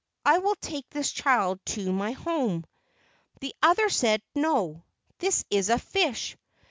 I will take this child to my home." The other said, "No—This is a fish."